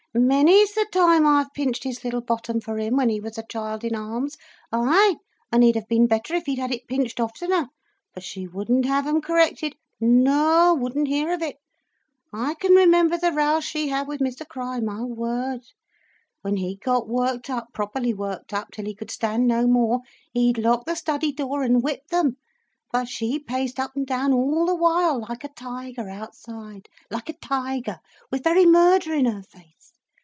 Many's the time I've pinched his little bottom for him, when he was a child in arms. Ay, and he'd have been better if he'd had it pinched oftener. But she wouldn't have them corrected—no o, wouldn't hear of it. I can remember the rows she had with Mr Crich, my word. When he'd got worked up, properly worked up till he could stand no more, he'd lock the study door and whip them. But she paced up and down all the while like a tiger outside, like a tiger, with very murder in her face.